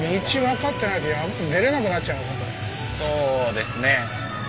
そうですね。